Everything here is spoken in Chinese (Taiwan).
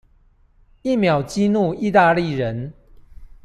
一秒激怒義大利人